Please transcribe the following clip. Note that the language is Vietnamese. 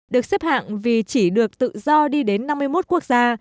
được xếp hạng vì chỉ được tự do đi đến năm mươi một quốc gia